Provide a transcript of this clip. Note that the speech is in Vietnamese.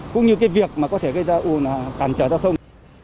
cũng như cái việc mà có thể gây ra ủn là cản trở giao thông